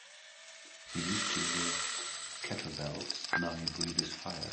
He used to lift kettlebells now he breathes fire.